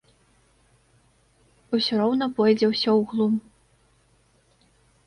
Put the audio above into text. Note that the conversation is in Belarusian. Усё роўна пойдзе ўсё ў глум.